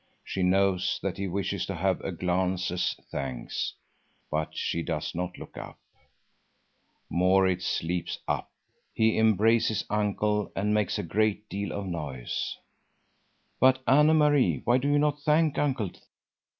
She knows that he wishes to have a glance as thanks, but she does not look up. Maurits leaps up. He embraces Uncle and makes a great deal of noise. "But, Anne Marie, why do you not thank Uncle?